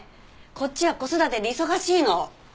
こっちは子育てで忙しいの。